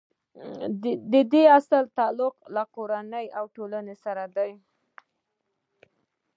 د دې اصل تعلق له کورنۍ او ټولنې سره دی.